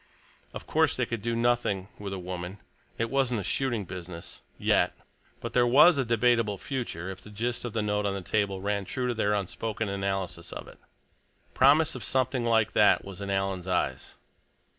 Of course they could do nothing with a woman; it wasn't a shooting business—yet. But there was a debatable future, if the gist of the note on the table ran true to their unspoken analysis of it. Promise of something like that was in Alan's eyes.